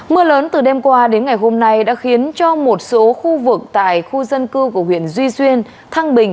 mưa lớn từ đêm qua đến ngày hôm nay đã khiến cho một số khu vực tại khu dân cư của huyện duy xuyên thăng bình